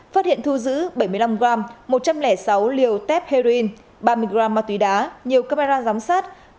phát hiện thu giữ bảy mươi năm g một trăm linh sáu liều tép heroin ba mươi gram ma túy đá nhiều camera giám sát